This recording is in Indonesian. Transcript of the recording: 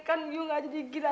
kan lu gak jadi gila jila